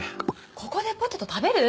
ここでポテト食べる？